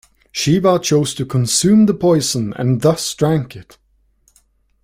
Shiva chose to consume the poison and thus drank it.